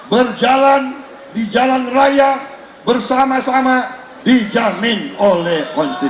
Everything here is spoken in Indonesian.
berjalan di jalan raya bersama sama dijamin oleh konstitusi